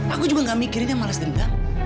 aku juga gak mikirin yang males dendam